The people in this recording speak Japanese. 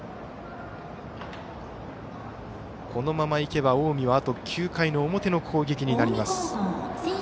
このままいけば近江はあと９回表の攻撃になります。